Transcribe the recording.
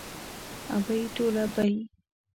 ابۍ ټوله بۍ.